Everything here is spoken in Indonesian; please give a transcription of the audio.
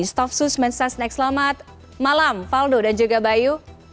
staf sus mensesnek selamat malam faldo dan juga bayu